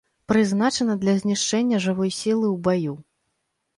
Прызначана для знішчэння жывой сілы ў баю.